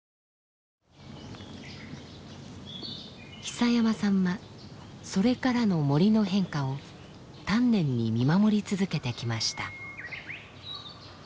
久山さんはそれからの森の変化を丹念に見守り続けてきました。